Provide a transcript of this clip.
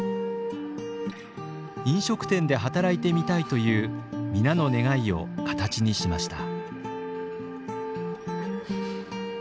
飲食店で働いてみたいという皆の願いを形にしました。